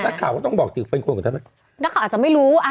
นักข่าวก็ต้องบอกสิเป็นคนของท่านนักข่าวอาจจะไม่รู้อ่ะ